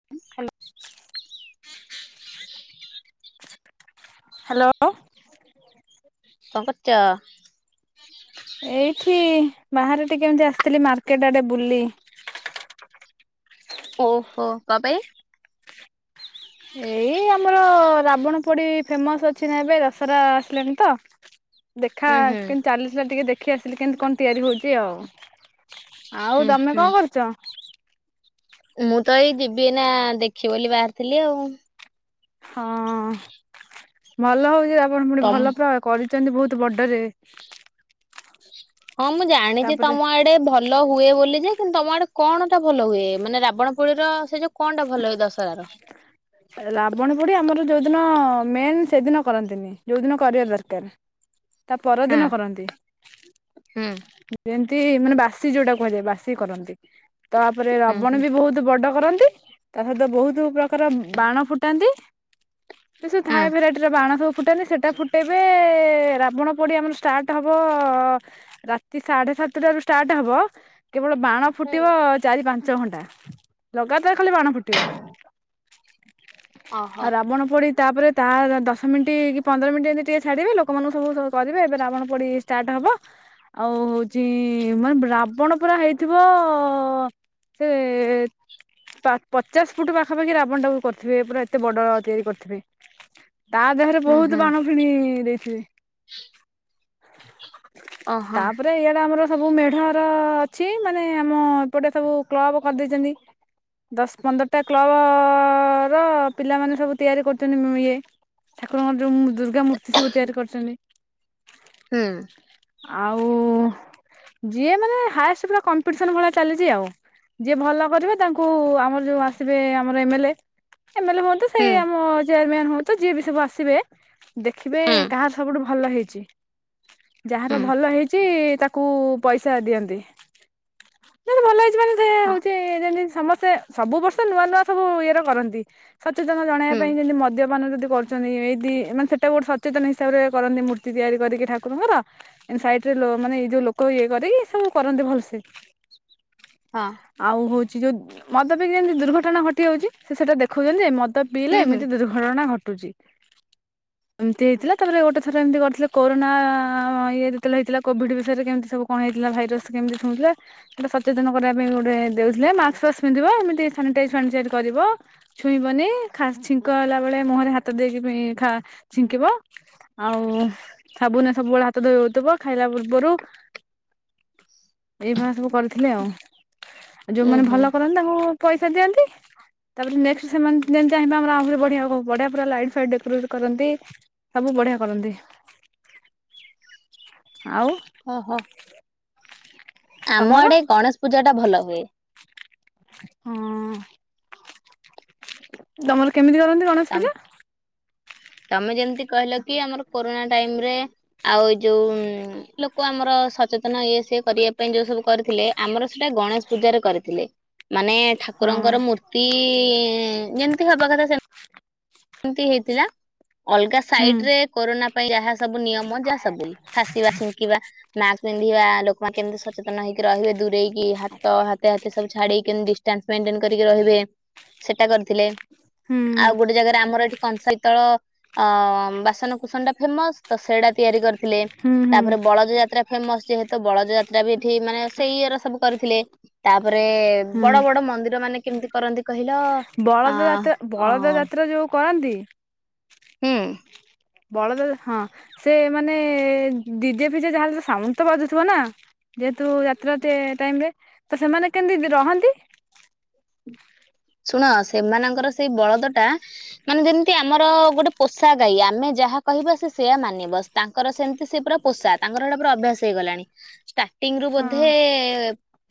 Hello. Hello. କଁ କରୁଛ? ଏଇଠି ବାହାରେ ଟିକେ ଏମତି ଆସିଥିଲି ମାର୍କେଟ ଆଡେ ବୁଲି। ଓହୋ କ ପାଇଁ? ଏଇ ଆମର ରାବଣ ପୋଡି ଫେମସ ଅଛି ନା ଏବେ ଦଶହରା ଆସିଲାଣି ତ। ଦେଖା ଉୁଁ ହୁଁ କେମିତି ଚାଲିଛି ନା ଟିକେ ଦେଖି ଆସିଲି କେମତି କଣ ତିଆରି ହଉଛି ଆଉ। ଆଉ ଉୁଁ ତମେ ହୁଁ କଣ କରୁଛ? ମୁଁ ତ ଏଇ ଯିବି ଏଇନା ଦେଖିବି ବୋଲି ବାହାରିଥିଲି ଆଉ। ହଁ ଭଲ ହଉଛି ରାବଣ ପୋଡି ତମ ଭଲ ପ୍ର କରିଛନ୍ତି ବହୁତ ବଡରେ। ହଁ ମୁଁ ଜାଣିଛି ତାପରେ ତମ ଆଡେ ଆଡେ ଭଲ ହୁଏ ବୋଲି ଯେ କିନ୍ତୁ ତମ ଆଡେ କଣ ଟା ଭଲ ହୁଏ ମାନେ ରାବଣ ପୋଡି ର ସେ ଯୋଉ କଣ ଟା ଭଲ ହଏ ଦଶହରା ର? ରାବଣ ପୋଡି ଆମର ଯୋଉଦିନ ମେନ୍ ସେଦିନ କରନ୍ତିନି ଯୋଉ ଦିନ କରିବା ଦରକାର। ତା ହୁଁ ପରଦିନ କରନ୍ତି। ହୁଁ ଯେମିତି ମାନେ ବାସି ଯୋଉଟା କୁହାଯାଏ ବାସି କରନ୍ତି ତାପରେ ହୁଁ ରବଣ ହୁଁ ବି ବହୁତ ବହୁତ ବଡ କରନ୍ତି ତା ସହିତ ବହୁତ ପ୍ରକାର ବାଣ ଫୁଟାନ୍ତି। ଏ ସବୁ ହୁଁ। ଥାଏ ଭେରାଇଟି ର ବାଣ ସବୁ ଫୁଟନ୍ତିି ସେଟା ଫୁଟାଇବେ ରାବଣ ପୋଡ଼ି ଆମର ଷ୍ଟାର୍ଟ ହବ ରାତି ସାଢେ ସାତଟାରୁ ଷ୍ଟାର୍ଟ ହବ କେବଳ ବାଣ ଫୁଟିବ ହୁଁ। ଚାରି ପାଞ୍ଚ ଘଣ୍ଟା ଲଗାତାର ଖାଲି ବାଣ ଫୁଟିବ। ଓହୋ ଆଉ ରାବଣ ପୋଡି ତାପରେ ତା ଦଶ ମିନିଟ୍ କି ପନ୍ଦର ମିନିଟ୍ ଯେମିତି ଟିକେ ଛାଡିବେ ଲୋକମାନଙ୍କୁ ସବୁ କରିବେ ଏବେ ରାବଣ ପୋଡି ଷ୍ଟାର୍ଟ ହବ। ଆଉ ହଉଛି ମାନେ ରାବଣ ପୁରା ହେଇଥିବ ସେ ପଚାଶ ଫୁଟ ପାଖାପାଖି ରା ରାବଣ ଟାକୁ କରିଥିବେ ପୁରା ଏତେ ବଡ ତିଆରି କରିଥିବେ ତା ଦେହରେ ହୁଁ ବହୁତ ହୁଁ ବାଣ ଫୁଣି ଦେଇଥିବେ ଓହୋ ତାପରେ ଇଆଡେ ଆମର ସବୁ ମେଢର ଅଛି ମାନେ ଆମ ଏପଟେ ସବୁ କ୍ଲବ କରିଦେଇଛନ୍ତି। ଦଶ ପନ୍ଦରଟା କ୍ଲବ ର ପିଲାମାନେ ସବୁ ତିଆରି କରୁଛନ୍ତି ଇଏ ଠାକୁରଙ୍କର ଯଉ ମୂ ଦୁର୍ଗା ମୂର୍ତ୍ତି ସବୁ ତିଆରି କରିଛନ୍ତି। ହୁଁ। ଆଉ ଯିଏ ମାନେ ହାଷ୍ଟ ପୁରା କମ୍ପିଟିସନ ଭଳିଆ ଚାଲିଛି ଆଉ। ଯିଏ ଭଲ କରିବେ ତାଙ୍କୁ ଆମର ଯୋଉ ଆସିବେ ଆମର ଏମେଲେ। ଏମେଲେ ହୁଅନ୍ତୁ ସେ ହୁଁ ଆମ ଚେୟାରମ୍ୟାନ ହୁଅନ୍ତୁ ଯିଏ ବି ସବୁ ଆସିବେ। ଦେଖିବେ ହୁଁ ହୁଁ। କାହାର ସବୁଠୁ ଭଲ ହେଇଛି ହୁଁ ଯାହାର ଭଲ ହେଇଛି ତା କୁ ପଇସା ଦିଅନ୍ତି ଭଲ ହେଇଛି ମାନେ ସେ ହଁ ହଉଛି ଯେମତି ସମସ୍ତେ ସବୁ ବର୍ଷ ନୂଆ ନୂଆ ସବୁ ଇଏରେ କରନ୍ତି ସଚେତନ ଜଣାଇବା ହୁଁ ପାଇଁ ଯେମିତି ମଦ୍ୟପାନ ଯଦି କର ଚନ୍ତି ଏଇଠି ମାନେ ସେଇଟା ଗୋଟେ ସଚେତନ ହିସାବରେ କରନ୍ତି ମୂର୍ତ୍ତି ତିଆରି କରିକି ଠାକୁରଙ୍କର। ସାଇଟ ରେ ଲୋ ମାନେ ଏଇ ଯୋଉ ଲୋକ ଇଏ କରରେି ଏ ସବୁ କରନ୍ତି ଭଲସେ। ହଁ। ଆଉ ହଉଚି ଯୋଉ ମଦ ପିକ ଯେମିତି ଦୁର୍ଘଟଣା ଘଟି ଯାଉଚି ସେ ସେଇଟା ଦେଖଉଚନ୍ତି ଯେ ଏ ମଦ ହୁଁ ପିଲେ ଏମିତି ଦୁର୍ଘଟଣା ଘଟୁଚି। ଏମିତି ହେଇଥିଲା ତାପରେ ଗୋଟେ ଥର ଏମିତି କରିଥିଲେ କୋନା ଇଏ ଯେତବେଳେ ହେଇଥିଲା କୋଭିଡ ବିଷୟରେ କେମିତି ସବୁ କଣ ହେଇଥିଲା ଭାଇରସ କେମିତି ଶୁଉଥିଲା ଗୋଟେ ସଚେତନ କରିବା ପାଇଁ ଗୋଟେ ଦେଉଥିଲେ ମାସ ଫାସ ପିନ୍ଧିବ ଏମିତି ସାନିଟାଈଜ ଫାନିଟାଇଜ କରିବ। ଛୁଇଁବନି ଛିଙ୍କ ହେଲା ବେଳେ ମୁହଁରେ ହାତ ଦେଇକି ଛିଙ୍କିବ। ଆଉ ସାବୁନ ସବୁବେଳେ ହାତ ଧୋଇ ହଉଥିବ ଖାଇଲା ପୂର୍ବରୁ। [unintelligible] ଏଇଭଳିଆ ସବୁ କରିଥିଲେ ଆଉ ଆଉ ହୁଁ ଯୋଉମାନେ ହୁଁ ଭଲ କରନ୍ତି ତାଙ୍କୁ ପଇସା ଦିଅନ୍ତି। ତାପରେ ନେକ୍ସଟ ସେମାନେ ଯେମିତି ଚାହିଁବେ ଆମର ଆହୁରି ବଢ଼ିଆ ହୋଉ। ବଢିଆ ପୁରା ଲାଇଟ ଫଫାଇଟ ଡେକୋରେଟ କରନ୍ତି। ସବୁ ବଢିଆ କରନ୍ତି। ଆଉ ଓହୋ। ଆମ ତମର ଆଡେ ଗଣେଶ ପୂଜା ଟା ଭଲ ହୁଏ। ହଁ। ତମର କେମିତି କରନ୍ତି ଗଣେଶ ଆମ ପୂଜା? ତମେ ଯେମତି କହିଲ କି ଆମର କୋରୋନା ଟାଇମ ରେ ଆଉ ଯୋଉ ଲୋକ ଆମର ସଚେତନ ଇଏ ସିଏ କରିବା ପାଇଁ ଯୋଉ ସବୁ କରିଥିଲେ ଆମର ସେଇଟା ଗଣେଶ ପୂଜାରେ କରିଥିଲେ ମାନେ ହଁ। ଠାକୁରଙ୍କର ମୂର୍ତ୍ତି ଯେମିତି ହବା କଥା ସେ ହେଇଥିଲା। ଅଲଗା ହୁଁ ସାଇଟ ରେ କରୋନା ପାଇଁ ଯାହା ସବୁ ନିୟମ ମଜା ସବୁ ଫାସିବା ଛିଙ୍କିବା ମାସ୍କ ପିନ୍ଧିବା ଲୋକମାନେ କେମିତି ସଚେତନ ହେକି ରହିବେ ଦୂରେଇକି ହାତ ହାତ ହାତ ସବୁ ଛାଡ଼ି କେତି [unintelligible] ରହିବେ ସେଟା କରିଥିଲେ ହୁଁ ଆଉ ଗୋଟେ ଜାଗା ଆମର ଏଠି କଂସେଇତଳ ଅ ବାସନ କସନ ଟା ଫେମସ ତ ସେଇଟା ତିଆରି କରି ଥିଲେ ହୁଁ ହୁଁ ତାପରେ ବଳଦ ଯାତ୍ରା ଫେମସ ଯେହେତୁ ବଳଜ ଯାତ୍ରା ବି ଏଠି ମାନେ ସେଇ ଇର ସବୁ କରିଥିଲେ। ତାପରେ ବଡ ହୁଁ ବଡ ମନ୍ଦିର ମାନେ କେମିତି କରନ୍ତି କହିଲ ଅ ବଳଦ ଯାତ୍ରା ଅ ବଳଦ ଯାତ୍ରା ଯୋଉ କରନ୍ତି ହୁଁ ବଳଦେ ହଁ ସେ ମାନେ ଦଡିିଜେ ଫିଜେ ଯାହାଲେ ସାସାଉଣ୍ଡ ତ ବାଜୁଥିବ ନା। ଯେହେତୁ ଯାତ୍ରା ଟାଇମ ରେ ତ ସେମାନେ କେମିତି ରହନ୍ତି? ଶୁଣ ସେମାନଙ୍କର ସେଇ ବଳଦ ଟା ମାନେ ଯେମିତି ଆମର ଗୋଟେ ପୋଷା ଗାଈ ଆମେ ଯାହା କହିବା ସେ ସେଆ ମାନିବ। ତାଙ୍କର ସେମିତି ସେ ପୁରା ପୋଷା ତାଙ୍କର ସେଇଟା ପୁରା ଅଭ୍ୟାସ ହେଇଗଲାଣି। ଟିଂ ରୁ ହଁ ବୋଧେ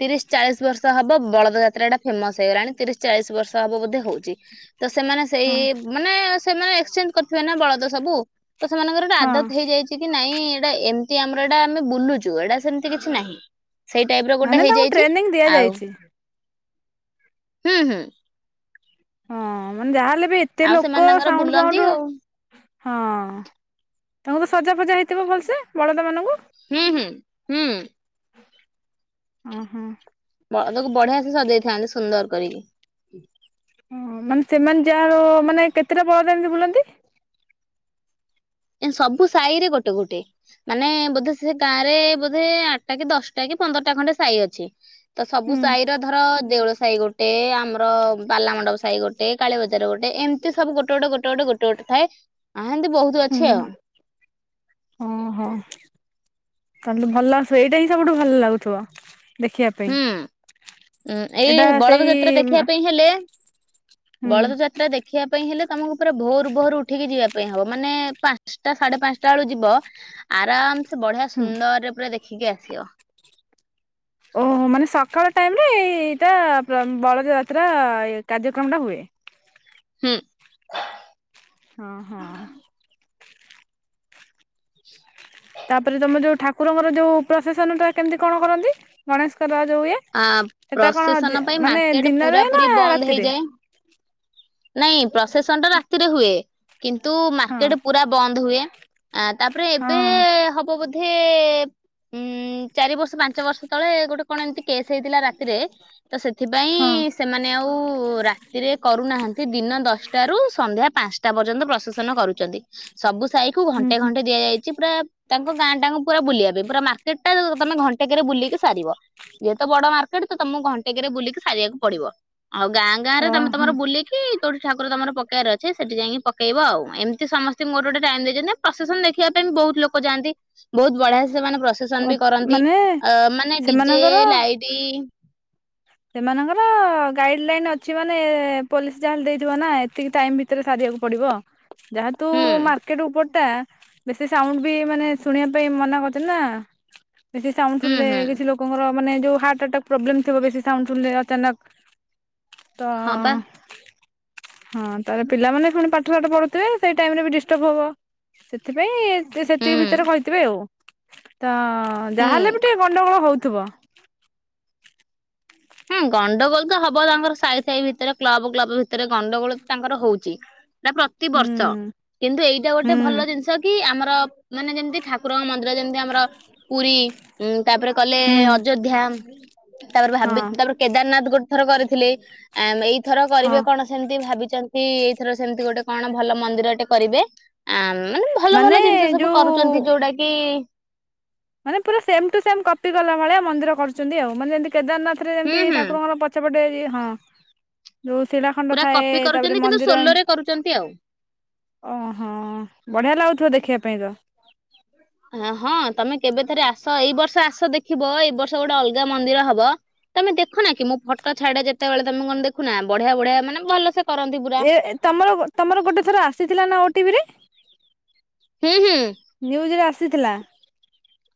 ତିରିଶ ଚାଳିଶ ବର୍ଷ ହବ ବଳଦ ଯାତ୍ରା ଟା ଫେମସ ହେଇଗଲାଣି ତିରିଶ। ଚାଳିଶ ବର୍ଷ ହବ ବୋେ ହଉଛି ତ ସେମାନେ ସେଇ ହଁ। ମାନେ ସେମାନେ। କରିଥିବେ ନା ବଳଦ ସବୁ ତ ସେମାନଙ୍କରୋ ହଁ ଆଦତ ହେଇଯାଇଚି କି ନାଇଁ ଏଇଟା ଏମିତି ଆମର ଏଇଟା ଆମେ ବୁଲୁଛୁ ଏଇଟା ସେମିତି କିଛି ନାହିଁ। ସେଇ ଟାଇପ ର ଗୋଟେ ମାନେ ତାଙ୍କୁ ହେଇଯାଇଚୁ ଟ୍ରେନିଂ ଆଉ। ଦିଆଯାଇଛି ହୁଁ। ହଁ ମାନେ ଯାହାହେଲେ ବି ଏତେ ଆଉ ଲୋକ ସେମାନେ ତାଙ୍କର ସାଉଣ୍ଡ ବୁଲନ୍ତି ଫଉଣ୍ଡ ଆଉ। ହଁ ତମ ତ ସଜା ଫଜା ହେଇଥିବ ଭଲସେ ବଳଦ ମାନଙ୍କୁ! ହୁଁ ହୁଁ ହୁଁ। ଓ ହୋ। ବଳଦ କୁ ବଢିଆ ସେ ସଜେଇଥାନ୍ତି ସୁନ୍ଦର କରିକି। ଓ ମାନେ ସେମାନେ ଯାହାୁ ମାନେ କେତେଟା ପଳଦ ଏମତି ବୁଲନ୍ତି? ଏ ସବୁ ସାହିରେ ଗୋଟେ ଗୋଟେ। ମାନେ ବୋଧେ ସେ ଗାଁରେ ବୋଧେ ଆଠଟା କି ଦଶଟା କି ପନ୍ଦରଟା ଖଣ୍ଡେ ସାଇ ଅଛି। ତ ସବୁ ହୁଁ ସାହିର ଧର ଦେଉଳ ସାହି ଗୋଟେ ଆମର ବାଲାମଣ୍ଡପ ସାହି ଗୋଟେ କାଳୀ ବଜାର ଗୋଟେ ଏମିତି ସବୁ ଗୋଟେ ଗୋଟେ ଗୋଟେ ଗୋଟେ ଗୋ ଗୋଟେ ଗୋଟେ ଥାଏ ହା ସେମିତି ବହୁତ ଅଧି ହୁଁ ଓହୋ। ତାଙ୍କୁ ଭଲ ସେଇଟା ହିଁ ସବୁଠୁ ଭଲ ଲାଗୁଥିବ ଦେଖିବା ପାଇଁ। ହୁଁ ଉଁ ଏଇ ଏଇଟା ଏଇ ବଳଦ ସେଇ ଯାତ୍ରା ଦେଖିବା ପାଇଁ ହେଲେ ହୁଁ ବଳଦ ଯାତ୍ରା ଦେଖ ଦେଖିବା ପାଇଁ ହେଲେ ତମକୁ ପୁରା ଭୋରୁ ଭୋରୁ ଉଠିକି ଯିବା ପାଇଁ ହବ ମାନେ ପାଞ୍ଚ ପାଞ୍ଚଟା ସାଢେ ପାଞ୍ଚଟା ବେଳକୁ ଯିବ ଆରାମ ସେ ବଢିଆ ହୁଁ ସୁନ୍ଦରରେ ପୁରା ଦେଖିକି ଆସିବ। ଓହୋ ମାନେ ସକାଳ ଟାଇମରେ ଏଇଟା ବଳଦ ଯାତ୍ରା କାର୍ଯ୍ୟକ୍ରମଟା ହୁଏ। ହୁଁ ହଁ ହଁ ତାପରେ ତମର ଯୋଉ ଠାକୁରଙ୍କର ଯୋଉ ପ୍ରଶାସନଟା କେମିତି କଣ କରନ୍ତି ଗଣେଶଙ୍କର ଯୋଉ ଇଏ। ଆ ସେଟା କଣ ଦି ପ୍ରସେସନ ପାଇଁ ମାନେ ମାର୍କେଟ ଦିନରେ ପୁରା ନା ପୁରି ବନ୍ଦ ରାତିରେ। ହେଇଯାଏ। ନାଇଁ ପ୍ରସେସନଟା ରାତିରେ ହୁଏ କିନ୍ତୁ ହଁ ମାର୍କେଟ ପୁରା ବନ୍ଦ ହୁଏ। ଆ ତାପରେ ହଁ ଏବେ ହବ ବୋଧେ ଉଁ। ଚାରି ବର୍ଷ ପାଞ୍ଚ ବର୍ଷ ତଳେ ଗୋଟେ କଣ ଏମିତି କେସ୍ ହେଇଥିଲା ରାତିରେ ତ ସେଥିପାଇଁ। ହଁ ସେମାନେ ଆଉ ରାତିରେ କରୁନାହାନ୍ତି ଦିନ ଦଶଟାରୁ ସନ୍ଧ୍ୟା ପାଞ୍ଚ ଟା ପର୍ଯ୍ୟନ୍ତ ପ୍ରଶେସନ କରୁଛନ୍ତି ସବୁ ସାହିକୁ ହୁଁ ଘଣ୍ଟେ ହୁଁ ଘଣ୍ଟେ ଦିଆଯାଇଛି ପୁରା। ତାଙ୍କ ଗାଁଟାଙ୍କୁ ପୁରା ବୁଲିବା ପାଇଁ ପୁରା ମାର୍କେଟଟା ତମେ ଘଣ୍ଟେକରେ ବୁଲିକି ସାରିବ। ଯେହେତୁ ବଡ ମାର୍କେଟ ତମକୁ ଘଣ୍ଟେକରେ ବୁଲିକି ସାରିବାକୁ ପଡିବ ଆଉ ଗାଁ ଗାଁରେ ତମେ ଓହୋ ତମର ବୁଲିକି କି ଯୋଉଠି ଠାକୁର ତମର ପକେଇବାର ଅଛି ସେଠି ଯାଇକି ପକେଇବ ଆଉ ଏମିତି ସମସ୍ତଙ୍କୁ ଗୋଟେ ଗୋଟେ ଟାଇମ ଦେଇଛନ୍ତି। ପ୍ରଶେସନ ଦେଖିବା ପାଇଁ ବହୁତ ଲୋକ ଯାଆନ୍ତି ବହୁତ ବଢିଆ ସେ ସେମାନେ ପ୍ରସେସନ ବି କରନ୍ତି ମାନେ ମାନେ ଡିଜେ ସେମାନଙ୍କର ଲାଇଟ ସେମାନଙ୍କର ଗାଇଡ ଲାଇନ ଅଛି ମାନେ ପୋଲିସ ଯାହେଲେ ଦେଇଥିବ ନା ଏତିକି ଟାଇମ ଭି ଭିତରେ ସାରିବାକୁ ପଡିବ ଯାହେତୁ ହୁଁ ମାର୍କେଟ ଉପ ଟା ବେଶୀ ସାଉଣ୍ଡ ବି ମାନେ ଶୁଣିବା ପାଇଁ ମନା କରୁଛି ନା। ବେଶୀ ସାଉଣ୍ଡ ହୁଁ ଶୁଣିଲେ ହୁଁ କିଛି ଲୋକଙ୍କର ମାନେ ଯୋଉ ହାର୍ଟ ଅଟ୍ଟାକ ପ୍ରୋବ୍ଲେମ ଥିବ ବେଶୀ ସାଉଣ୍ଡ ଶୁଣିଲେ ଅଚାନକ। ତ ହଁ ପା ହଁ ତାହେଲେ ପିଲାମାନେ ପୁଣି ପାଠଶାଠ ପଢୁଥିବେ ସେଇ ଟାଇମରେ ବି ଡିଷ୍ଟର୍ବ ହେବ। ସେଥିପାଇଁ ହୁଁ ସେତିକି ଭିତରେ କହିଥିବେ ଆଉ ତ ହଁ ହୁଁ ଯାହାହେଲେ ବି ଟିକେ ଗଣ୍ଡଗୋଳ ହେଉଥିବ। ହଁ ଗଣ୍ଡଗୋଳ ତ ହବ ତାଙ୍କର ସାଇ ସାଇ ଭିତରେ କ୍ଲବ କ୍ଲବ ଭିତରେ ଗଣ୍ଡଗୋଳ ତାଙ୍କର ହଉଛି। ସେଟା ହୁଁ ପ୍ରତିବର୍ଷ କିନ୍ତୁ ଏଇଟା ହୁଁ ଗୋଟେ ଭଲ ଜିନିଷ କି ଆମର ମାନେ ଯେମିତି ଠାକୁରଙ୍କ ମନ୍ଦିର ଯେମିତି ଆମର ପୁରୀ। ହୁଁ ତାପରେ କଲେ ହୁଁ ଅଯୋଧ୍ୟା ତାପରେ ହଁ ଭାବି ର କେଦାରନାଥ ଗୋଟେ ଥର କରିଥିଲେ ଆ ଏଇଥର କରିବେ ହଁ କଣ? ସେମତି ଭାବିଛନ୍ତି ଏଇଥର ସେମିତି ଗୋଟେ କଣ ଭଲ ମନ୍ଦିରଟେ କରିବେ ଆ ମାନେ ଭଲ ମାନେ ଭଲ ଜିନିଷ ସବୁ କରୁଛନ୍ତି ଯୋଉ ଯୋଉଟା କି? ମାନେ ପୁରା ସେମଟୁ ସେମ କପି ଗଲା ଭଳିଆ ମନ୍ଦିର କରୁଛନ୍ତି ଆଉ ମାନେ ଯେମିତି କେଦାରନାଥରେ ହୁଁ ଯେମିତି ହୁଁ ଠାକୁଙ୍କର ପଛପଟେ ହଁ ଯୋଉ ଶିଳାଖଣ୍ଡ ପୁରା ଥାଏ କପି କରୁଛନ୍ତି ତାପରେ କିନ୍ତୁ ମନ୍ଦିର ସୋଲୋ ରେ କରୁଛନ୍ତି ଆଉ। ଓହୋ ବଢିଆ ଲାଗୁଥିବ ଦେଖିବା ପାଇଁ ତ। ହଁ ତମେ କେବେ ଥରେ ଆସ ଏଇ ବର୍ଷ ଆସ ଦେଖିବ ଏଇ ବର୍ଷ ଗୋଟେ ଅଲଗା ମନ୍ଦିର ହବ। ତମେ ଦେଖୁନା କି ମୁଁ ଫଟୋ ଛାଡେ ଯେତେବେଳେ ତମେ କଣ ଦେଖୁନା ବଢିଆ ବଢିଆ ମାନେ ଭଲସେ। ଏ ତମର ତମର ଗୋଟେ ଥର ଆସିଥିଲା ନା ଓଟିଭିି ରେ। ହୁଁ, ହୁଁ। ନ୍ୟୁଜରେ ଆସିଥିଲା।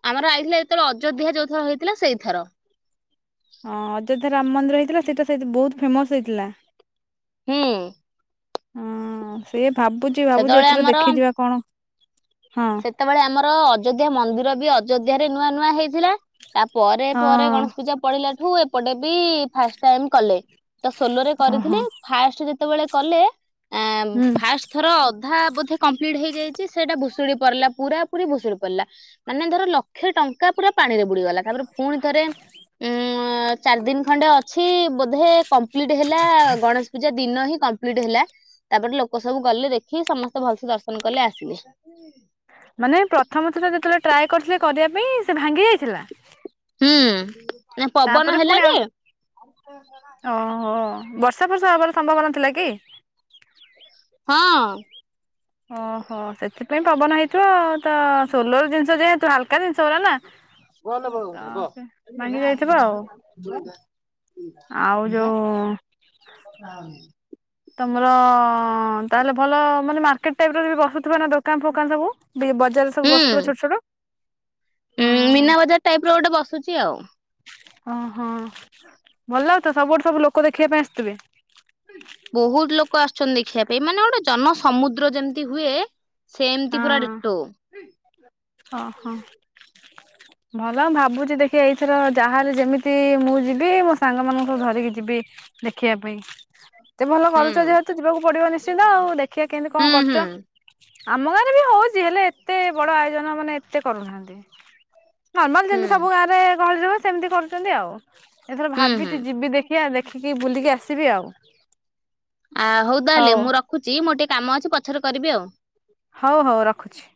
ଆମର ଆଇଥିଲା ଯେତେବେଳେ ଅଯୋଧ୍ୟା ଯୋଉଥର ହେଇଥିଲା ସେଇଥର। ହଁ ଅଯୋଧ୍ୟା ରାମ ମନ୍ଦିର ହେଇଥିଲା ସେଇଟା ସେଇ ବହୁତ ଫେମସ ହେଇଥିଲା। ହୁଁ। ହଁ ସେ ଭାବୁଚି ଭାବୁଚି ସେତେବେଳେ ଏଥର ଆମର ଦେଖିଯିବା କଣ ହଁ। ସେତେବେଳେ ଆମର ଅଯୋଧ୍ୟା ମନ୍ଦିର ବି ଅଯୋଧ୍ୟ ରେ ନୂଆ ନୂଆ ହେଇଥିଲା। ତା ପରେରେ ହଁ ପରେ ଗଣେଶ ପୂଜା ପଡି଼ଲା ଠୁ ଏପଟେ ବି ଫାଷ୍ଟ ଟାଇମ କଲେ। ତ ସୋଲୋରେ ଓହୋ କରିଥିଲେ ଫାଷ୍ଟ ଯେତେବେଳେ କଲେ ଏଁ ହୁଁ ଫାଷ୍ଟ। ଥର ଅଧା ବୋଧେ କମ୍ପ୍ଲିଟ୍ ହେଇଯାଇଚି ସେଇଟା ଭୁଷୁଡି ପଡି଼ଲା ପୁରା ପୁରୀ ଭୁଷୁଡ଼ି ପଡ଼ିଲା ବେଳକୁ ମାନେ ଧର ଲକ୍ଷେ ଟଙ୍କା ପୁରା ପାଣି ରେ ବୁଡି଼ଗଲା। ତାପରେ ପୁଣି ଥରେ ଉଁ ଚାରି ଦିନ ଖଣ୍ଡେ ଅଛି ବୋଧେ କମ୍ପ୍ଲିଟ୍ ହେଲା ଗଣେଶ ପୂଜା ଦିନ ହିଁ କମ୍ପ୍ଲିଟ୍ ହେଲା। ତାପରେ ଲୋକ ସବୁ ଗଲେ ଦେଖି ସମସ୍ତେ ଭଲସେ ଦର୍ଶନ କଲେ ଆସିଲେ। ମାନେ ପ୍ରଥମଥର ଯେତେବେଳେ ଟ୍ରାଏ କରିଥିଲେ କରିବା ପାଇଁ ସେ ଭାଙ୍ଗି ଯାଇଥିଲା। ହୁଁ। ନା ପବନ ତାପରେ ହେଲା ପୁଣି ଯେ ଆଉ ଓହୋ ବର୍ଷା ଫର୍ଷା ହବାର ସମ୍ଭାବନା ଥିଲା କି? ହଁ। ଓହୋ ସେଥିପାଇଁ ପବନ ହେଇଥିବ ତ ସୋଲର ଜିନିଷ ଯେହେତୁ ହାଲକା ଜିନିଷ ଗୁରା ନା। [inaudible] ଭଲ ଭ ତ କଛବ ଭାଙ୍ଗି ଯାଇଥିବ ଆଉ [unintelligible] ଆଉ ଯୋଉ [unintelligible] ତମର ତାହେଲେ ଭଲ ମାନେ ମାର୍କେଟ ଟାଇପ ର ବସୁଥିବ ନା ଦୋକାନ ଫୋକାନ ସବୁ? ବି ବଜାର ସବୁ ବସୁଥିବ ଛୋଟ ଛୋଟ। ଉଁ ହଁ। ମୀନା ବଜାର ଟାଇପ ର ଗୋଟେ ବସୁଚି ଆଉ। ଓହୋ ଭଲ ଲାଗୁଥିବ ତ ସବୁଆଡ଼େ ସବୁ ଲୋକ ଦେଖିବା ପାଇଁ ଆସିଥିବେ। ବହୁତ ଲୋକ ଆସୁଚନ୍ତି ଦେଖିବା ପାଇଁ ମାନେ ଗୋଟେ ଜନସମୁଦ୍ର ଯେମିତି ହୁଏ ସେମିତି ପୁରା ହଁ, ଡିଟୋ ହଁ, ହଁ। ଭଲ ଭାବୁଚି ଦେଖି ଏଇଥର ଯାହାର ଯେମିତି ମୁଁ ଯିବି ମୋ ସାଙ୍ଗମାନାନଙ୍କୁ ଧରିକି ଯିବି। ଦେଖିବା ପାଇଁ ତମେ ହୁଁ କରୁଚ ଯେହେତୁ ଯିବାକୁ ପଡିବ ନିଶ୍ଚିନ୍ତ ଆଉ ଦେଖିବା କେମିତି ହୁଁ କଣ ହୁଁ। କରୁଚ। ଆମ ଗାଁରେ ବି ହଉଚି ହେଲେ ଏତେ ବଡ ଆୟୋଜନ ମାନେ ଏତେ କରୁନାହାନ୍ତି। ନର୍ମାଲ ହୁଁ ଯେମିତି ସବୁ ଗାଁ ଗହଳି ରହ ସେମିତି କରୁଛନ୍ତି ଆଉ ଏଥର ହୁଁ ହୁଁ ଭାବିଚି ଯିବି ଦେଖି ଦେଖିଆ ଦେଖିକି ବୁଲିକି ଆସିବି ଆଉ। ଆ ହଉ ତାହେଲେ ମୁଁ ରଖୁଚି ମୋର ଟିକେ କାମ ଅଛି ପଛରେ କରିବି ଆଉ। ହଉ ହଉ ରଖୁଛି।